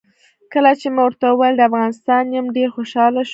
کله چې مې ورته وویل د افغانستان یم ډېر خوشاله شو.